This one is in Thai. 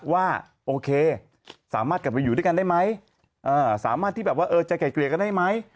ว่าโอเคสามารถกลับไปอยู่ด้วยกันได้ไหมสามารถที่แบบว่าจะไกลเกลี่ยกันได้ไหม